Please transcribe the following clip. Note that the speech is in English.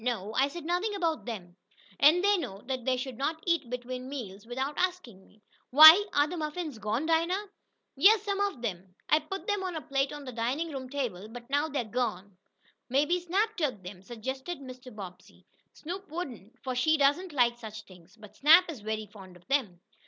"No, I said nothing about them. And they know they should not eat between meals without asking me. Why, are the muffins gone, Dinah?" "Yessum; fo' ob 'em. I put 'em on a plate on de dinin' room table, but now dey's gone." "Maybe Snap took them," suggested Mr. Bobbsey. "Snoop wouldn't, for she doesn't like such things. But Snap is very fond of them."